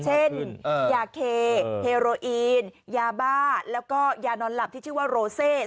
เช่นยาเคเฮโรอีนยาบ้าแล้วก็ยานอนหลับที่ชื่อว่าโรเซ